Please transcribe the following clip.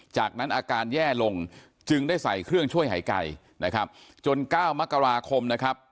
จากนั้นอาการแย่ลงจึงได้ใส่เครื่องช่วยหายใจนะครับจน๙มกราคมนะครับ